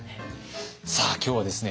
さあ今日はですね